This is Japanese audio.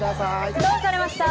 どうされました？